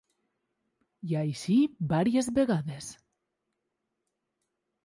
I així vàries vegades...